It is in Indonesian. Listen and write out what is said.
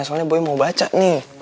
soalnya boy mau baca nih